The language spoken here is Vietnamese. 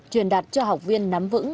truyền đạt cho học viên nắm vững